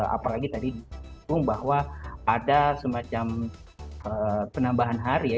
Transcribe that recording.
apalagi tadi dihukum bahwa ada semacam penambahan hari ya